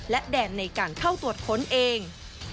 และแดนในการเข้าตรวจค้นเอง